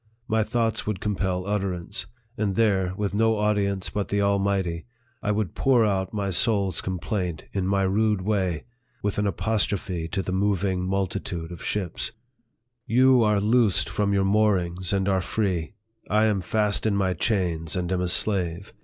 My thoughts would compel utterance ; and there, with no audience but the Almighty, I would pour out my soul's complaint, in my rude way, with an apostrophe to the moving mul titude of ships :" You are loosed from your moorings, and are free ; I am fast in my chains, and am a slave